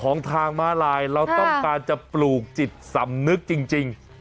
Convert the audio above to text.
ของทางม้าลายเราต้องการจะปลูกจิตสำนึกจริง